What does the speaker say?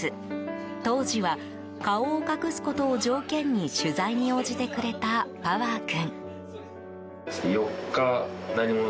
当時は、顔を隠すことを条件に取材に応じてくれたパワー君。